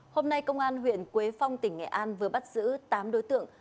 hôm nay công an huyện quế phong tỉnh nghệ an vừa bắt giữ tám đối tượng